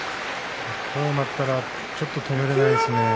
こうなったらちょっと止められないですね。